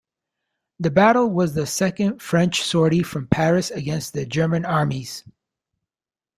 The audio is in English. The battle was the second French sortie from Paris against the German armies.